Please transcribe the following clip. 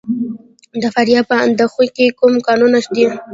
د فاریاب په اندخوی کې کوم کانونه دي؟